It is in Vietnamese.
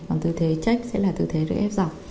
còn tư thế trách sẽ là tư thế được ép dọc